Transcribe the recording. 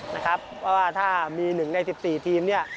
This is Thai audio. เพราะว่าถ้ามีหนึ่งใน๑๔ทีม